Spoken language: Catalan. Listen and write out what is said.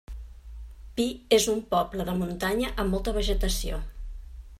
Pi és un poble de muntanya amb molta vegetació.